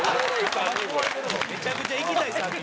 めちゃくちゃ行きたい３人。